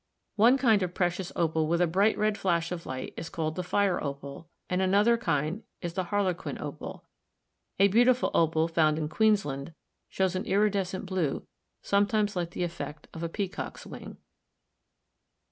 One kind of precious opal with a bright red flash of light is called the fire opal, and another kind is the harlequin opal. A beautiful opal found in Queensland shows an iridescent blue sometimes like the effect of a peacock's wing.